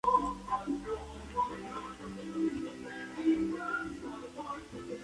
En cambio, depositaron sus esperanzas en el sobrino de Manuel, Miguel de Braganza.